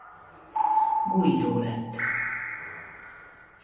Guidó lett.